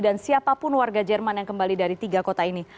dan siapapun warga jerman yang kembali dari tiga kota ini